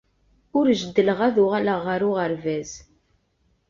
Ur jeddleɣ ad uɣaleɣ ɣer uɣerbaz.